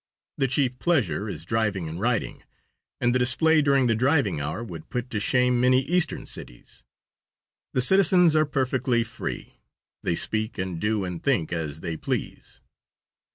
The chief pleasure is driving and riding, and the display during the driving hour would put to shame many Eastern cities. The citizens are perfectly free. They speak and do and think as they please.